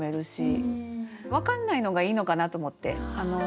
分かんないのがいいのかなと思って。